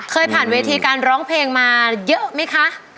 เคยผ่านเวทีการร้องเพลงมาเยอะไหมคะ